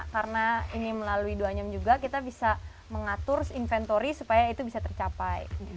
karena ini melalui duanyem juga kita bisa mengatur inventory supaya itu bisa tercapai